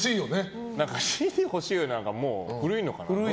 ＣＤ欲しいよなが古いのかな。